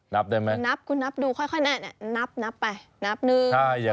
นับได้ไหมนับคุณนับดูค่อยแน่นับไป